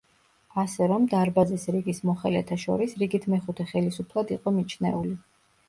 ასე რომ „დარბაზის რიგის“ მოხელეთა შორის რიგით მეხუთე ხელისუფლად იყო მიჩნეული.